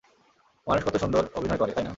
মানুষ কতো সুন্দর অভিনয় করে, তাইনা?